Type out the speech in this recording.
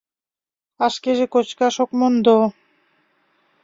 А шкеже кочкаш ок мондо.